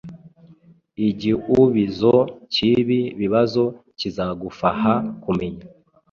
Igiubizo cyibi bibazo kizagufaha kumenya